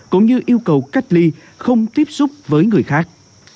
cũng như yêu cầu cách ly không tiếp xúc với người khác